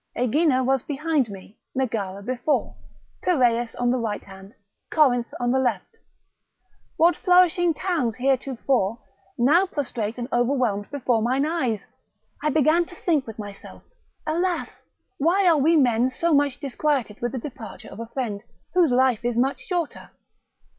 Aegina was behind me, Megara before, Piraeus on the right hand, Corinth on the left, what flourishing towns heretofore, now prostrate and overwhelmed before mine eyes? I began to think with myself, alas, why are we men so much disquieted with the departure of a friend, whose life is much shorter?